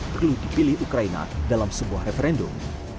perlu dipilih ukraina dalam sebuah referendum